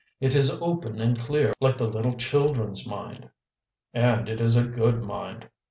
It is open and clear like the little children's mind. And it is a good mind!